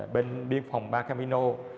bên biên phòng ba camino